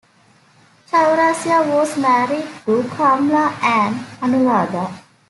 Chaurasia was married to Kamla and Anuradha.